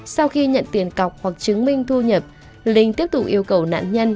sau khi nhận tiền cọc hoặc chứng minh thu nhập linh tiếp tục yêu cầu nạn nhân